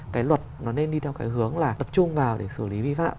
cái luật nó nên đi theo cái hướng là tập trung vào để xử lý vi phạm